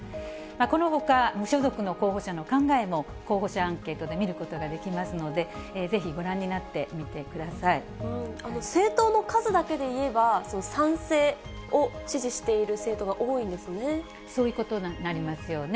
このほか、無所属の候補者の考えも、候補者アンケートで見ることができますので、政党の数だけでいえば、賛成を支持している政党が多いんですよね。